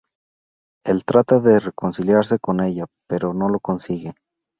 Él trata de reconciliarse con ella, pero no lo consigue.